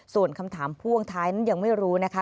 ส่วนคำถามพ่วงท้ายนั้นยังไม่รู้นะคะ